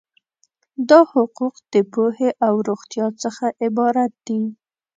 دا حقوق د پوهې او روغتیا څخه عبارت دي.